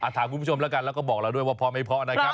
ถามคุณผู้ชมแล้วกันแล้วก็บอกเราด้วยว่าพอไม่พอนะครับ